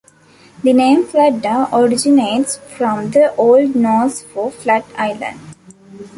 The name Fladda originates from the Old Norse for 'flat island'.